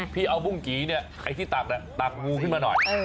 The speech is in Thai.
พี่เอาบุ้งกี่เนี่ยไอ้ที่ตักตักงูขึ้นมาหน่อย